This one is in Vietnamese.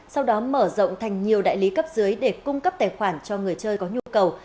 sau đó mở rộng thành nhiều đại lý cấp dưới để cung cấp tài khoản cho người chơi có nhu cầu